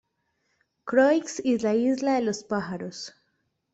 Croix y la Isla de los Pájaros.